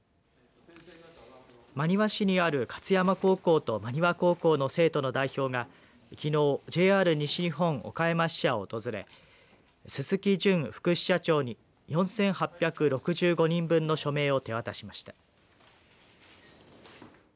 真庭市にある勝山高校と真庭高校の生徒の代表がきのう、ＪＲ西日本岡山支社を訪れ須々木淳副支社長に４８６５人分の署名を手渡しました。